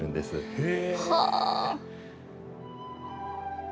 へえ。